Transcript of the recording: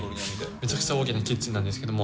めちゃくちゃ大きなキッチンなんですけども。